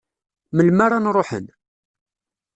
Melmi ara n-ruḥen?